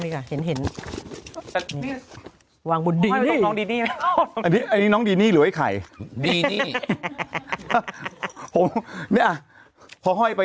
นี่ก่อนเห็นวางบุญดีนี้น้องดีนี้หรือไอ้ไข่พอห้อยไป